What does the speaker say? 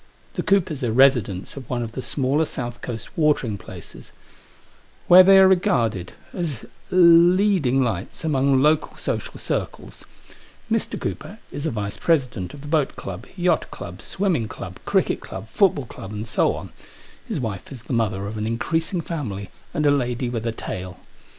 The Coopers are residents of one of the smaller south coast watering places, where they are regarded as leading Digitized by HOW MATTERS STAND TO DAY. 809 lights among local social circles. Mr. Cooper is a vice president of the boat club, yacht club, swimming club, cricket club, football club, and so on ; his wife is the mother of an increasing family, and a lady with a tale.